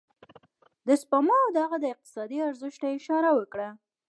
د سپما او د هغه اقتصادي ارزښت ته يې اشاره وکړه.